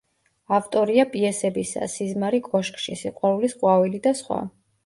ავტორია პიესებისა: „სიზმარი კოშკში“, „სიყვარულის ყვავილი“ და სხვა.